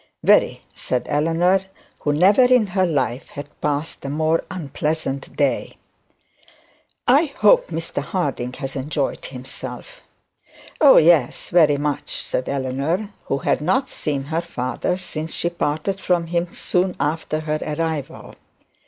'Very,' said Eleanor, who never in her life had passed a more unpleasant day. 'I hope Mr Harding has enjoyed himself.' 'Oh, yes, very much,' said Eleanor, who had not seen her father since she parted from him soon after her arrival.